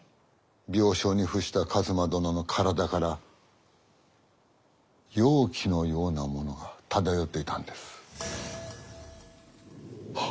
病床に伏した一馬殿の体から妖気のようなものが漂っていたんです。